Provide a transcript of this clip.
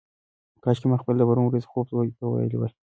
کاشکي ما خپل د پرون ورځې خوب زوی ته ویلی وای.